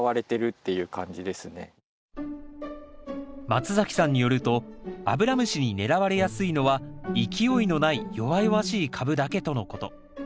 松崎さんによるとアブラムシに狙われやすいのは勢いのない弱々しい株だけとのこと。